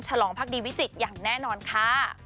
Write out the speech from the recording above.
ฉลองพักดีวิจิตอย่างแน่นอนค่ะ